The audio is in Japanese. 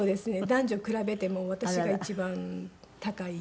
男女比べても私が一番高い。